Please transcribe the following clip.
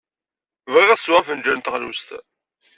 Bɣiɣ ad sweɣ afenjal n teɣlust.